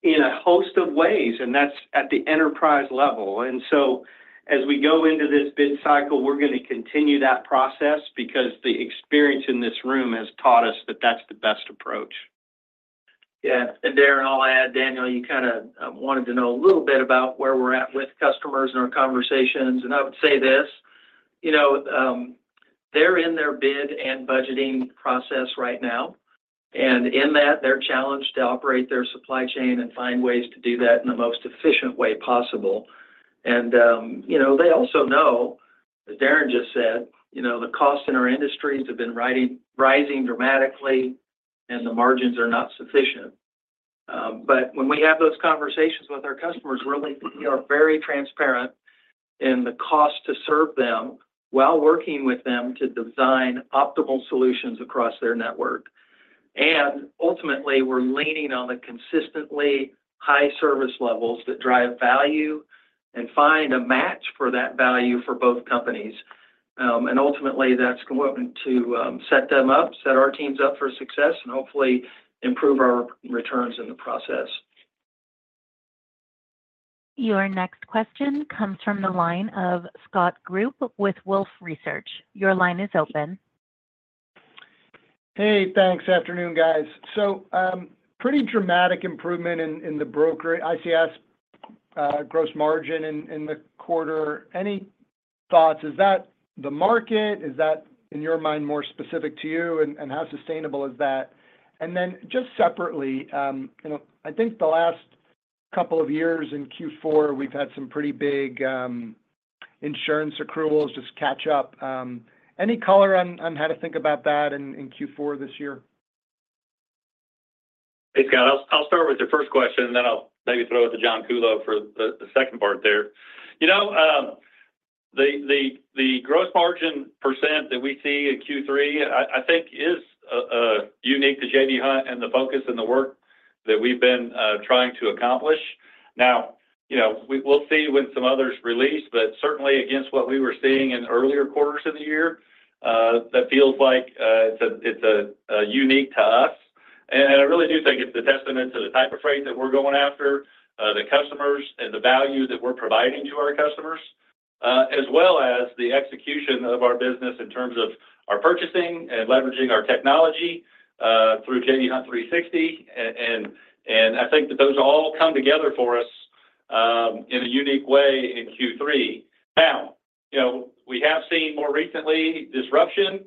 Speaker 7: in a host of ways, and that's at the enterprise level. And so as we go into this bid cycle, we're going to continue that process because the experience in this room has taught us that that's the best approach.
Speaker 5: Yeah. And Darren, I'll add, Daniel, you kinda wanted to know a little bit about where we're at with customers and our conversations, and I would say this: you know, they're in their bid and budgeting process right now, and in that, they're challenged to operate their supply chain and find ways to do that in the most efficient way possible. And, you know, they also know, as Darren just said, you know, the costs in our industries have been rising, rising dramatically, and the margins are not sufficient. But when we have those conversations with our customers, we're really, you know, very transparent in the cost to serve them while working with them to design optimal solutions across their network. And ultimately, we're leaning on the consistently high service levels that drive value and find a match for that value for both companies. Ultimately, that's going to set them up, set our teams up for success, and hopefully improve our returns in the process.
Speaker 1: Your next question comes from the line of Scott Group with Wolfe Research. Your line is open.
Speaker 14: Hey, thanks. Afternoon, guys. So, pretty dramatic improvement in the brokerage, ICS, gross margin in the quarter. Any thoughts? Is that the market? Is that, in your mind, more specific to you, and how sustainable is that? And then just separately, you know, I think the last couple of years in Q4, we've had some pretty big insurance accruals, just catch up. Any color on how to think about that in Q4 this year?
Speaker 5: Hey, Scott. I'll start with your first question, then I'll maybe throw it to John Kuhlow for the second part there. You know, the gross margin % that we see in Q3, I think, is unique to J.B. Hunt and the focus and the work- ... that we've been trying to accomplish. Now, you know, we'll see when some others release, but certainly against what we were seeing in earlier quarters of the year, that feels like it's unique to us. And I really do think it's a testament to the type of freight that we're going after, the customers, and the value that we're providing to our customers, as well as the execution of our business in terms of our purchasing and leveraging our technology, through J.B. Hunt 360. And I think that those all come together for us, in a unique way in Q3. Now, you know, we have seen more recently disruption,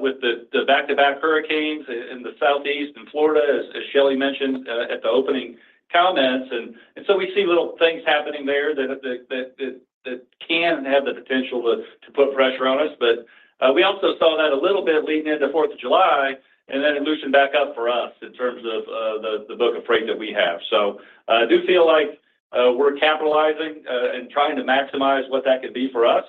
Speaker 5: with the back-to-back hurricanes in the Southeast and Florida, as Shelley mentioned, at the opening comments. We see little things happening there that can have the potential to put pressure on us. But we also saw that a little bit leading into Fourth of July, and then it loosened back up for us in terms of the book of freight that we have. I do feel like we're capitalizing and trying to maximize what that could be for us,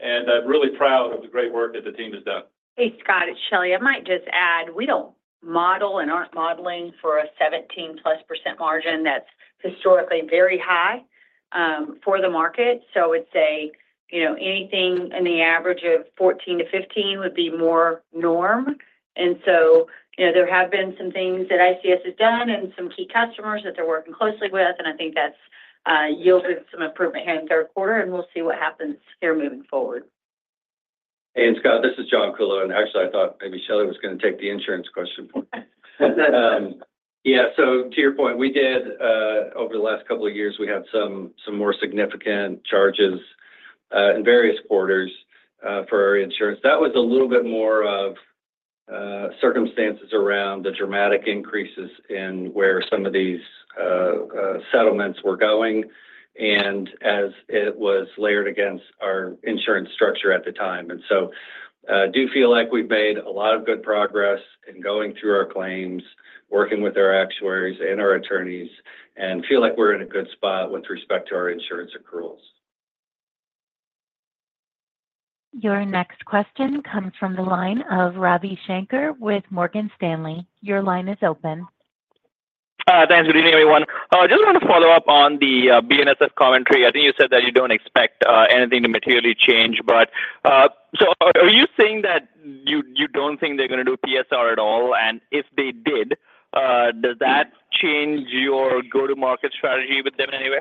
Speaker 5: and I'm really proud of the great work that the team has done.
Speaker 3: Hey, Scott, it's Shelley. I might just add, we don't model and aren't modeling for a 17+% margin. That's historically very high for the market. So I would say, you know, anything in the average of 14-15 would be more norm. And so, you know, there have been some things that ICS has done and some key customers that they're working closely with, and I think that's yielded some improvement here in the third quarter, and we'll see what happens here moving forward.
Speaker 4: Hey, and Scott, this is John Kuhlow, and actually, I thought maybe Shelley was going to take the insurance question. Yeah, so to your point, we did over the last couple of years, we had some more significant charges in various quarters for our insurance. That was a little bit more of circumstances around the dramatic increases in where some of these settlements were going and as it was layered against our insurance structure at the time. So I do feel like we've made a lot of good progress in going through our claims, working with our actuaries and our attorneys, and feel like we're in a good spot with respect to our insurance accruals.
Speaker 1: Your next question comes from the line of Ravi Shanker with Morgan Stanley. Your line is open.
Speaker 15: Thanks. Good evening, everyone. I just want to follow up on the BNSF commentary. I think you said that you don't expect anything to materially change, but so are you saying that you don't think they're going to do PSR at all? And if they did, does that change your go-to-market strategy with them in any way?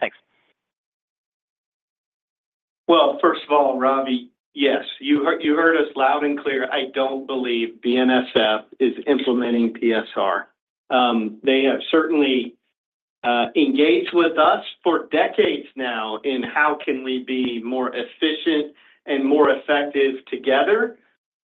Speaker 15: Thanks.
Speaker 7: First of all, Ravi, yes, you heard, you heard us loud and clear. I don't believe BNSF is implementing PSR. They have certainly engaged with us for decades now in how can we be more efficient and more effective together.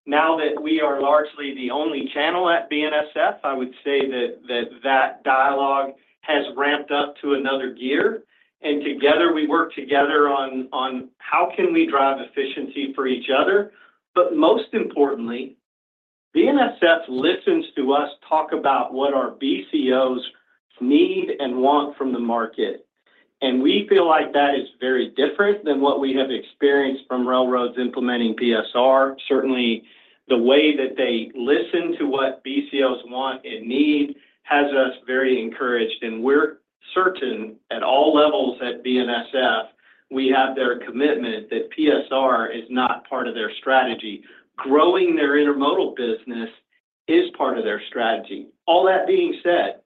Speaker 7: Now that we are largely the only channel at BNSF, I would say that dialogue has ramped up to another gear, and together, we work together on how can we drive efficiency for each other. But most importantly, BNSF listens to us talk about what our BCOs need and want from the market, and we feel like that is very different than what we have experienced from railroads implementing PSR. Certainly, the way that they listen to what BCOs want and need has us very encouraged, and we're certain at all levels at BNSF, we have their commitment that PSR is not part of their strategy. Growing their intermodal business is part of their strategy. All that being said,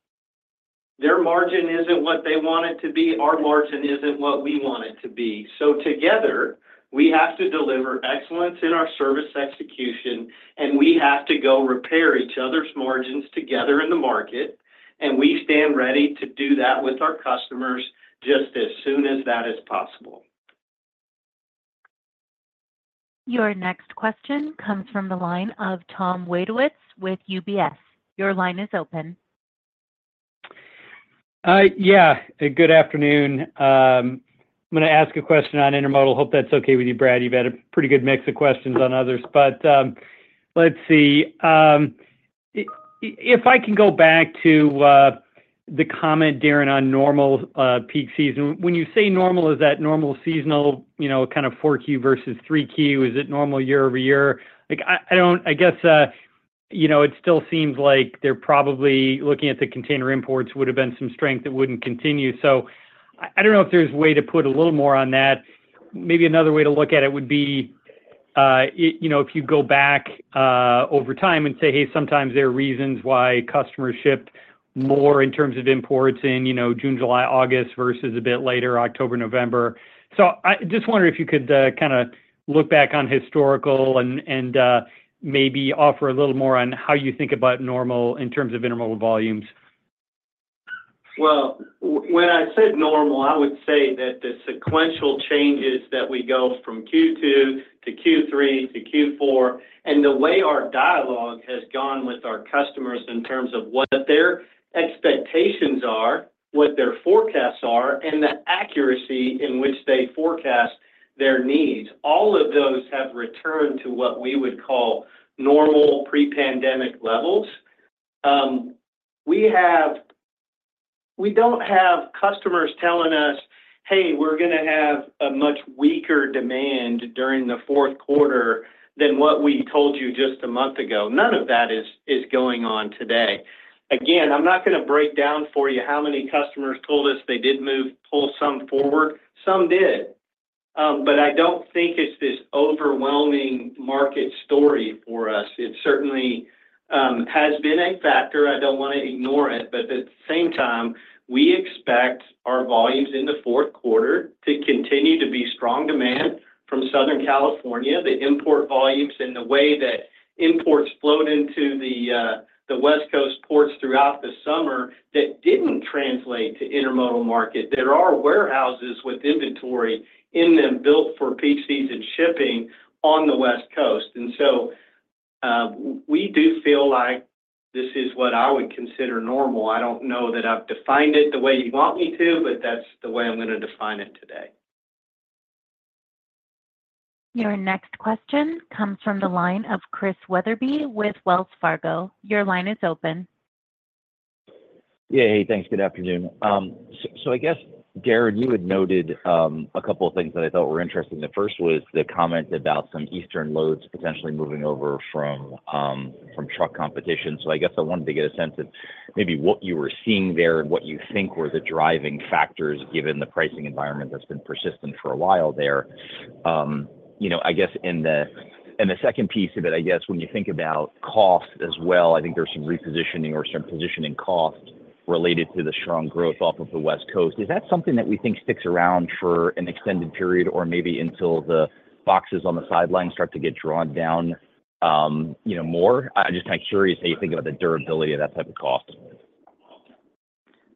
Speaker 7: their margin isn't what they want it to be. Our margin isn't what we want it to be. So together, we have to deliver excellence in our service execution, and we have to go repair each other's margins together in the market, and we stand ready to do that with our customers just as soon as that is possible.
Speaker 1: Your next question comes from the line of Tom Wadewitz with UBS. Your line is open.
Speaker 16: Yeah, good afternoon. I'm going to ask a question on intermodal. Hope that's okay with you, Brad. You've had a pretty good mix of questions on others, but let's see. If I can go back to the comment, Darren, on normal peak season. When you say normal, is that normal seasonal, you know, kind of 4Q versus 3Q? Is it normal year over year? Like, I don't... I guess, you know, it still seems like they're probably looking at the container imports would have been some strength that wouldn't continue. So I don't know if there's a way to put a little more on that. Maybe another way to look at it would be, you know, if you go back, over time and say, "Hey, sometimes there are reasons why customers shipped more in terms of imports in, you know, June, July, August, versus a bit later, October, November." So I just wonder if you could, kinda look back on historical and, maybe offer a little more on how you think about normal in terms of intermodal volumes.
Speaker 7: When I said normal, I would say that the sequential changes that we go from Q2 to Q3 to Q4, and the way our dialogue has gone with our customers in terms of what their expectations are, what their forecasts are, and the accuracy in which they forecast their needs, all of those have returned to what we would call normal pre-pandemic levels. We don't have customers telling us, "Hey, we're going to have a much weaker demand during the fourth quarter than what we told you just a month ago." None of that is going on today. Again, I'm not going to break down for you how many customers told us they did move, pull some forward. Some did, but I don't think it's this overwhelming market story for us. It certainly has been a factor. I don't want to ignore it, but at the same time, we expect our volumes in the fourth quarter to continue to be strong demand from Southern California. The import volumes and the way that imports flowed into the West Coast ports throughout the summer, that didn't translate to intermodal market. There are warehouses with inventory in them built for peak season shipping on the West Coast. And so, we do feel like this is what I would consider normal. I don't know that I've defined it the way you want me to, but that's the way I'm going to define it today.
Speaker 1: Your next question comes from the line of Chris Wetherbee with Wells Fargo. Your line is open.
Speaker 17: Yeah. Hey, thanks. Good afternoon. So I guess, Darren, you had noted a couple of things that I thought were interesting. The first was the comment about some eastern loads potentially moving over from truck competition. So I guess I wanted to get a sense of maybe what you were seeing there and what you think were the driving factors, given the pricing environment that's been persistent for a while there. You know, I guess in the second piece of it, I guess, when you think about cost as well, I think there's some repositioning or some positioning cost related to the strong growth off of the West Coast. Is that something that we think sticks around for an extended period or maybe until the boxes on the sideline start to get drawn down, you know, more? I'm just curious how you think about the durability of that type of cost?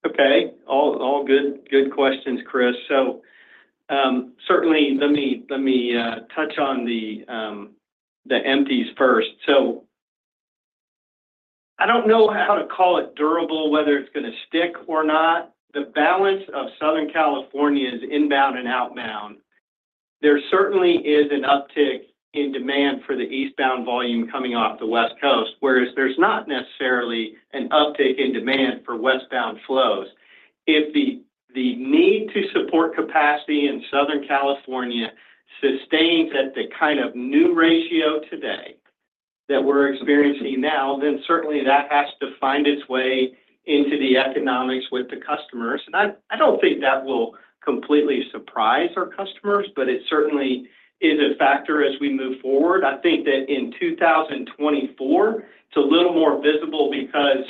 Speaker 7: Okay. All good questions, Chris. So, certainly, let me touch on the empties first. So I don't know how to call it durable, whether it's going to stick or not. The balance of Southern California is inbound and outbound. There certainly is an uptick in demand for the eastbound volume coming off the West Coast, whereas there's not necessarily an uptick in demand for westbound flows. If the need to support capacity in Southern California sustains at the kind of new ratio today that we're experiencing now, then certainly that has to find its way into the economics with the customers. And I don't think that will completely surprise our customers, but it certainly is a factor as we move forward. I think that in 2024, it's a little more visible because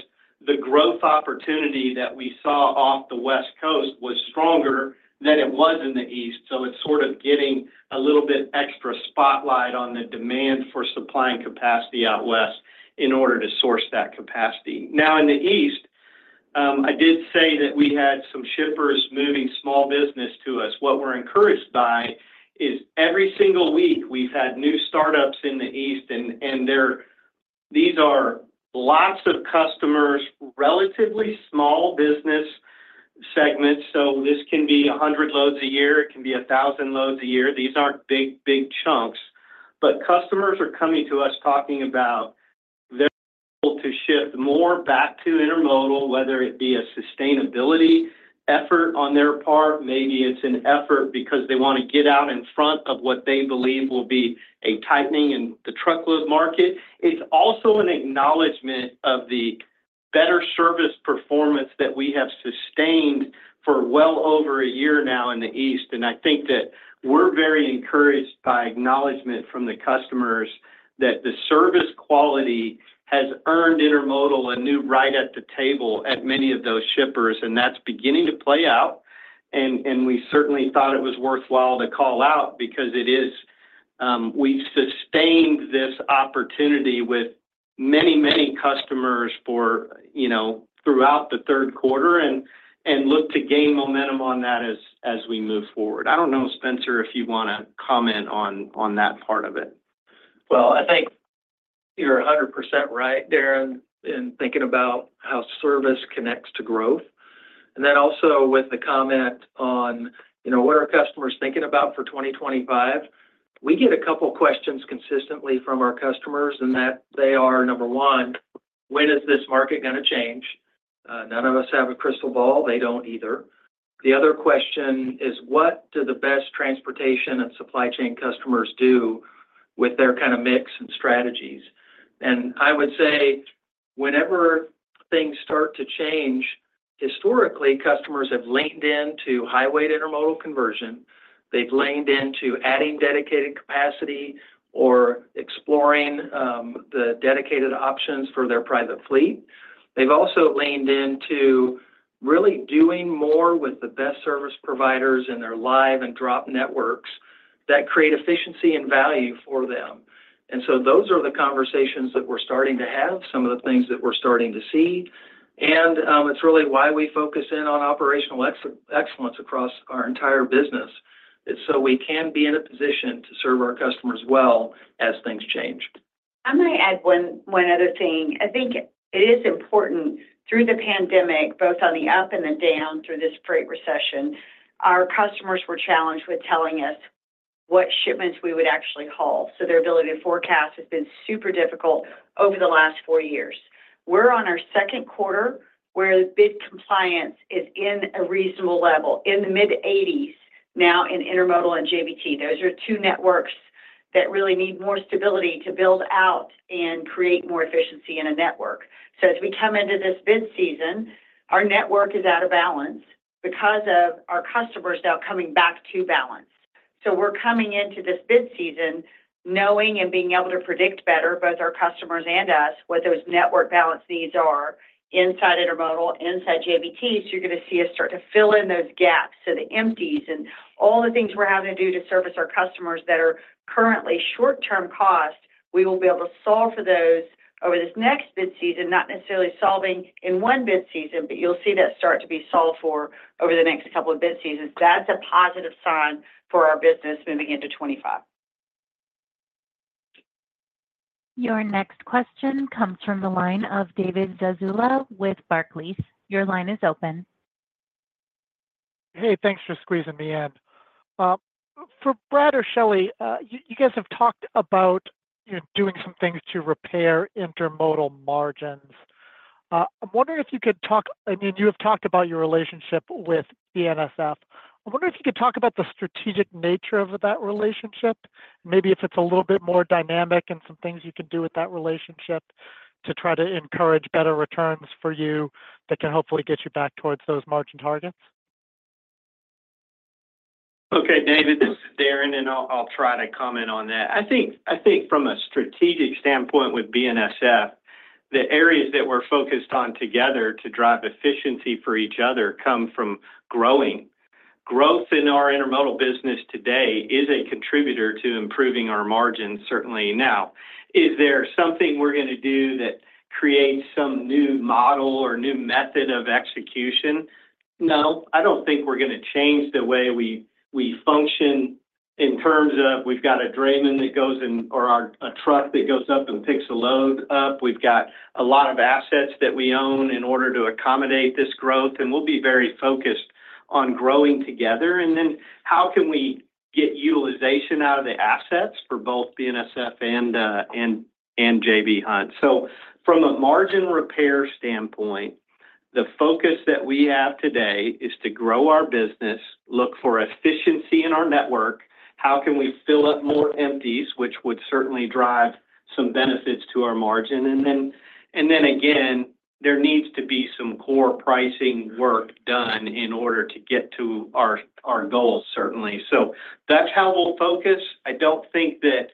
Speaker 7: the growth opportunity that we saw off the West Coast was stronger than it was in the East, so it's sort of getting a little bit extra spotlight on the demand for supplying capacity out west in order to source that capacity. Now, in the East, I did say that we had some shippers moving small business to us. What we're encouraged by is every single week we've had new startups in the East, and these are lots of customers, relatively small business segments, so this can be 100 loads a year, it can be 1,000 loads a year. These aren't big, big chunks, but customers are coming to us talking about they're able to ship more back to intermodal, whether it be a sustainability effort on their part, maybe it's an effort because they want to get out in front of what they believe will be a tightening in the truckload market. It's also an acknowledgment of the better service performance that we have sustained for well over a year now in the East. And I think that we're very encouraged by acknowledgment from the customers that the service quality has earned intermodal a new ride at the table at many of those shippers, and that's beginning to play out. And we certainly thought it was worthwhile to call out because it is. We've sustained this opportunity with many, many customers for, you know, throughout the third quarter and look to gain momentum on that as we move forward. I don't know, Spencer, if you want to comment on that part of it.
Speaker 5: I think you're 100% right, Darren, in thinking about how service connects to growth, and then also with the comment on, you know, what are customers thinking about for twenty twenty-five? We get a couple of questions consistently from our customers, and that they are: number one, when is this market going to change? None of us have a crystal ball. They don't either. The other question is, what do the best transportation and supply chain customers do with their kind of mix and strategies? And I would say, whenever things start to change, historically, customers have leaned into highway intermodal conversion. They've leaned into adding dedicated capacity or exploring the dedicated options for their private fleet. They've also leaned into really doing more with the best service providers in their live and drop networks that create efficiency and value for them. And so those are the conversations that we're starting to have, some of the things that we're starting to see, and it's really why we focus in on operational excellence across our entire business, is so we can be in a position to serve our customers well as things change.
Speaker 3: I'm going to add one other thing. I think it is important, through the pandemic, both on the up and the down, through this freight recession, our customers were challenged with telling us what shipments we would actually haul. So their ability to forecast has been super difficult over the last four years. We're on our second quarter, where bid compliance is in a reasonable level, in the mid-80s% now in intermodal and JBT. Those are two networks that really need more stability to build out and create more efficiency in a network. So as we come into this bid season, our network is out of balance because of our customers now coming back to balance. So we're coming into this bid season knowing and being able to predict better, both our customers and us, what those network balance needs are inside intermodal, inside JBT. So you're going to see us start to fill in those gaps. So the empties and all the things we're having to do to service our customers that are currently short-term costs, we will be able to solve for those over this next bid season, not necessarily solving in one bid season, but you'll see that start to be solved for over the next couple of bid seasons. That's a positive sign for our business moving into 2025.
Speaker 1: Your next question comes from the line of David Zazula with Barclays. Your line is open.
Speaker 18: Hey, thanks for squeezing me in. For Brad or Shelley, you guys have talked about, you know, doing some things to repair intermodal margins. I'm wondering if you could talk. I mean, you have talked about your relationship with BNSF. I wonder if you could talk about the strategic nature of that relationship, maybe if it's a little bit more dynamic and some things you can do with that relationship to try to encourage better returns for you that can hopefully get you back towards those margin targets.
Speaker 7: Okay, David, this is Darren, and I'll try to comment on that. I think from a strategic standpoint with BNSF, the areas that we're focused on together to drive efficiency for each other come from growing. Growth in our intermodal business today is a contributor to improving our margins, certainly now. Is there something we're going to do that creates some new model or new method of execution? No, I don't think we're going to change the way we function in terms of we've got a drayman that goes in, or a truck that goes up and picks a load up. We've got a lot of assets that we own in order to accommodate this growth, and we'll be very focused on growing together. And then, how can we get utilization out of the assets for both BNSF and J.B. Hunt? So from a margin repair standpoint, the focus that we have today is to grow our business, look for efficiency in our network. How can we fill up more empties, which would certainly drive some benefits to our margin? And then, and then again, there needs to be some core pricing work done in order to get to our, our goals, certainly. So that's how we'll focus. I don't think that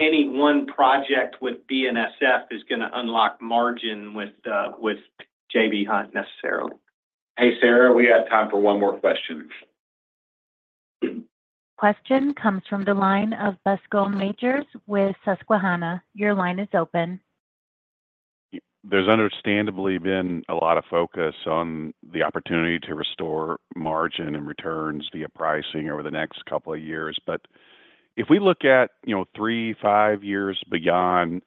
Speaker 7: any one project with BNSF is going to unlock margin with J.B. Hunt, necessarily.
Speaker 2: Hey, Sarah, we have time for one more question.
Speaker 1: Question comes from the line of Bascom Majors with Susquehanna. Your line is open.
Speaker 19: There's understandably been a lot of focus on the opportunity to restore margin and returns via pricing over the next couple of years. But if we look at, you know, three, five years beyond,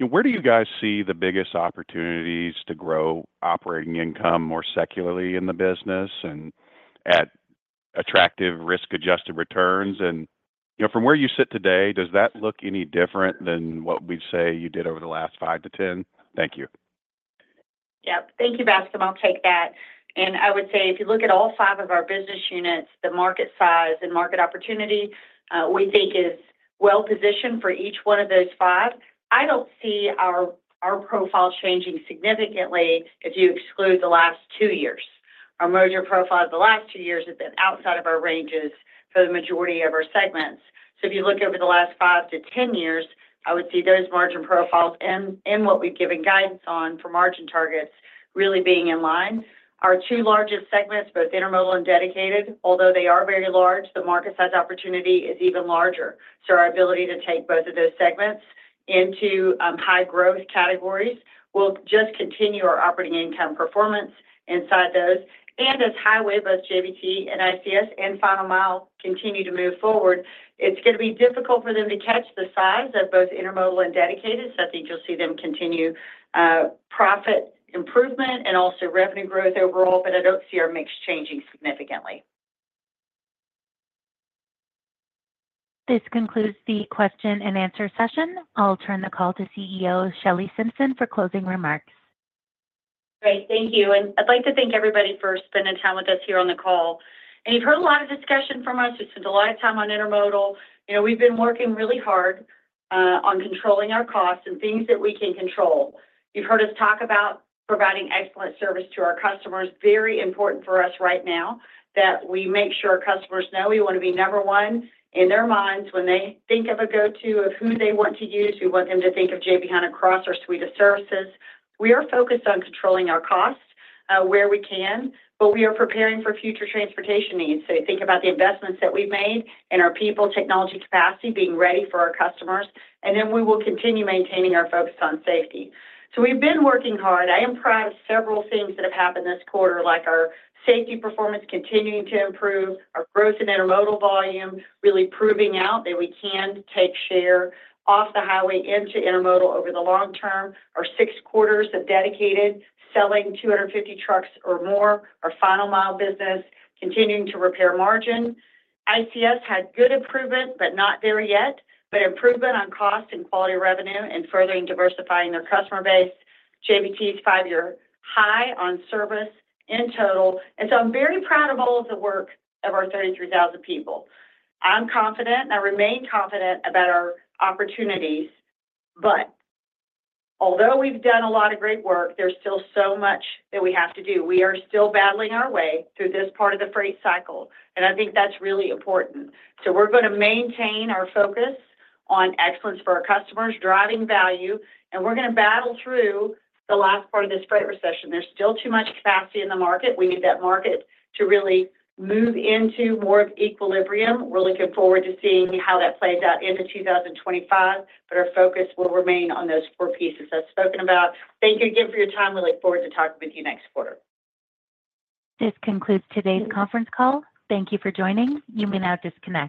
Speaker 19: where do you guys see the biggest opportunities to grow operating income more secularly in the business and at attractive risk-adjusted returns? And, you know, from where you sit today, does that look any different than what we'd say you did over the last five to ten? Thank you.
Speaker 3: Yeah. Thank you, Bascom. I'll take that. And I would say if you look at all five of our business units, the market size and market opportunity, we think is well positioned for each one of those five. I don't see our profile changing significantly if you exclude the last two years. Our merger profile the last two years has been outside of our ranges for the majority of our segments. So if you look over the last five to ten years, I would see those margin profiles in what we've given guidance on for margin targets really being in line. Our two largest segments, both intermodal and dedicated, although they are very large, the market size opportunity is even larger. So our ability to take both of those segments into high growth categories will just continue our operating income performance inside those. As Highway, both JBT and ICS and Final Mile continue to move forward, it's going to be difficult for them to catch the size of both Intermodal and Dedicated. I think you'll see them continue profit improvement and also revenue growth overall, but I don't see our mix changing significantly.
Speaker 1: This concludes the question and answer session. I'll turn the call to CEO Shelley Simpson for closing remarks.
Speaker 3: Great. Thank you, and I'd like to thank everybody for spending time with us here on the call. And you've heard a lot of discussion from us. We've spent a lot of time on intermodal. You know, we've been working really hard on controlling our costs and things that we can control. You've heard us talk about providing excellent service to our customers. Very important for us right now, that we make sure our customers know we want to be number one in their minds when they think of a go-to of who they want to use. We want them to think of J.B. Hunt across our suite of services. We are focused on controlling our costs, where we can, but we are preparing for future transportation needs. So think about the investments that we've made in our people, technology capacity, being ready for our customers, and then we will continue maintaining our focus on safety. So we've been working hard. I am proud of several things that have happened this quarter, like our safety performance continuing to improve, our growth in intermodal volume, really proving out that we can take share off the highway into intermodal over the long term. Our six quarters of dedicated, selling 250 trucks or more. Our final mile business continuing to repair margin. ICS had good improvement, but not there yet, but improvement on cost and quality of revenue and furthering diversifying their customer base. JBT's five-year high on service in total. And so I'm very proud of all of the work of our 33,000 people. I'm confident, and I remain confident about our opportunities, but although we've done a lot of great work, there's still so much that we have to do. We are still battling our way through this part of the freight cycle, and I think that's really important. So we're going to maintain our focus on excellence for our customers, driving value, and we're going to battle through the last part of this freight recession. There's still too much capacity in the market. We need that market to really move into more of equilibrium. We're looking forward to seeing how that plays out into two thousand and twenty-five, but our focus will remain on those four pieces I've spoken about. Thank you again for your time. We look forward to talking with you next quarter.
Speaker 1: This concludes today's conference call. Thank you for joining. You may now disconnect.